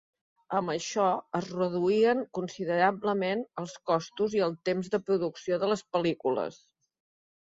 Amb això es reduïen considerablement els costos i el temps de producció de les pel·lícules.